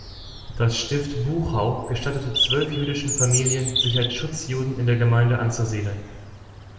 Das Stift Buchau gestattete zwölf jüdischen Familien, sich als Schutzjuden in der Gemeinde anzusiedeln.